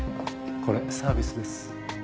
これサービスです。